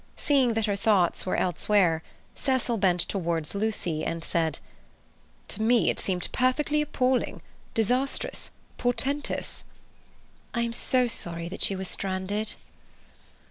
Seeing that her thoughts were elsewhere, Cecil bent towards Lucy and said: "To me it seemed perfectly appalling, disastrous, portentous." "I am so sorry that you were stranded."